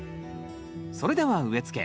それでは植え付け。